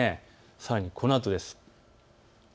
さらに、このあとです。